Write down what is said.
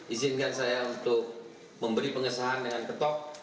izinkan saya untuk memberi pengesahan dengan ketok